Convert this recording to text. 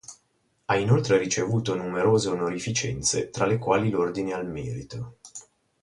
Ha inoltre ricevuto numerose onorificenze tra le quali l'Ordine al Merito.